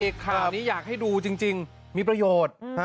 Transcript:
ข่าวนี้อยากให้ดูจริงมีประโยชน์